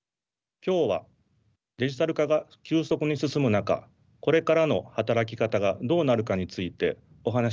今日はデジタル化が急速に進む中これからの働き方がどうなるかについてお話ししたいと思います。